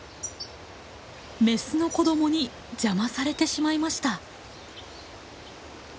メスの子どもに邪魔されてしまいました。